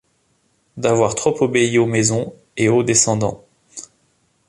D’avoir trop obéi aux maisons et aux Descendants.